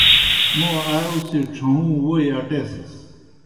موں آ اُڅِھجیْ ڇھہُوں ووئی اٹیسِس۔